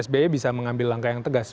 sby bisa mengambil langkah yang tegas